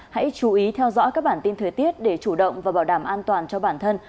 hãy chú ý theo dõi các bản tin thời tiết để chủ động và bảo đảm an toàn cho bản thân